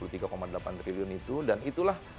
dua puluh tiga delapan triliun itu dan itulah